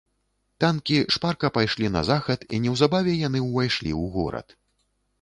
Танкі шпарка пайшлі на захад, і неўзабаве яны ўвайшлі ў горад.